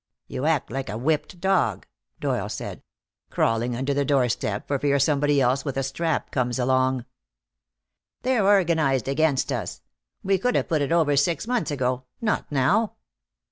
"You act like a whipped dog," Doyle said, "crawling under the doorstep for fear somebody else with a strap comes along." "They're organized against us. We could have put it over six months ago. Not now."